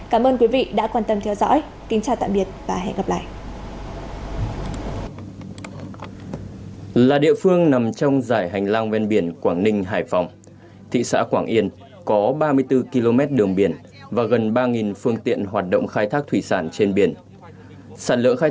cảm ơn quý vị đã quan tâm theo dõi kính chào tạm biệt và hẹn gặp lại